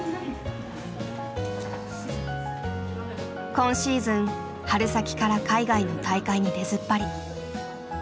今シーズン春先から海外の大会に出ずっぱり。